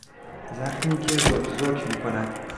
زخمی که که زوک زوک میکند